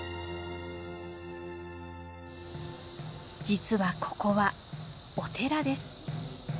実はここはお寺です。